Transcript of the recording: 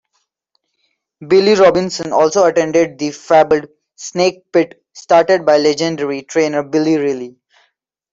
Billy Robinson also attended the fabled "Snake Pit" started by legendary trainer Billy Riley.